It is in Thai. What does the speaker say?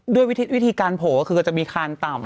ด้วยวิธีการโผล่ก็คือก็จะมีคานต่ำ